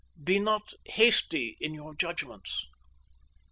Be not hasty in your judgments.